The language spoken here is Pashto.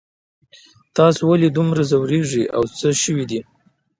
تاسو ولې دومره ځوریږئ او څه شوي دي